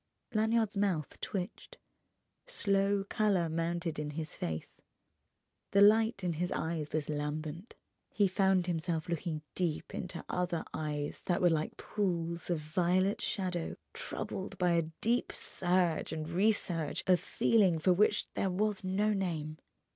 Lanyard's mouth twitched, slow colour mounted in his face, the light in his eyes was lambent. He found himself looking deep into other eyes that were like pools of violet shadow troubled by a deep surge and resurge of feeling for which there was no name.